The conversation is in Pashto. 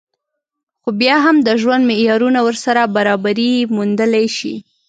خو بيا هم د ژوند معيارونه ورسره برابري موندلی شي